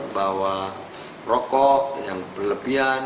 membawa rokok yang berlebihan